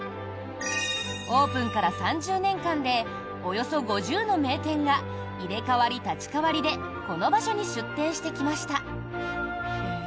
オープンから３０年間でおよそ５０の名店が入れ代わり立ち代わりでこの場所に出店してきました。